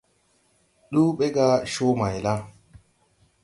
Ndu ɓɛ gá Comayla.